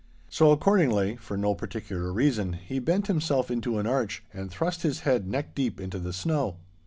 So accordingly, for no particular reason, he bent himself into an arch and thrust his head neck deep into the snow.